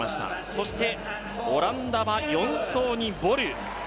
そしてオランダは４走にボル。